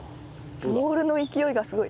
ボールの勢いがすごい。